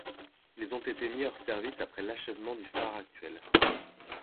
Ils ont été mis hors service après l'achèvement du phare actuel.